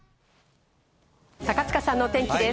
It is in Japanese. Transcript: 高塚さんの天気です。